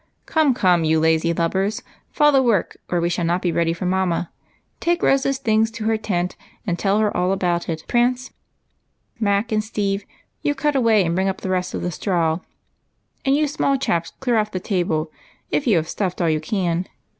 " Come, con^«, you lazy lubbers, fall to work, or w^e 102 EIGHT COUSINS. shall not be ready for mamma. Take Rose's things to her tent, and tell her all about it, Prince. Mac and Steve, you cut away and bring up the rest of the straw ; and you small chaps clear off the table, if you have stuffed all you can.